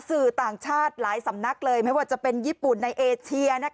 สื่อต่างชาติหลายสำนักเลยไม่ว่าจะเป็นญี่ปุ่นในเอเชีย